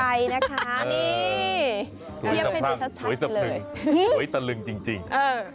นี่สวยสับครั้งสวยสับถึงสวยตะลึงจริง